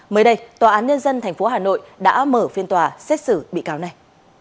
mới đây tòa án nhân dân tp hà nội đã mở phiên tòa xét xử bị cáo này